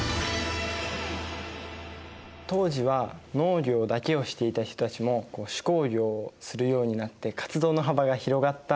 当時は農業だけをしていた人たちも手工業をするようになって活動の幅が広がったんですね。